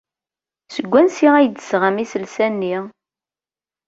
Seg wansi ay d-tesɣam iselsa-nni?